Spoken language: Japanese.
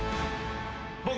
僕。